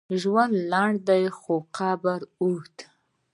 ژوند لنډ دی، خو قبر اوږد دی.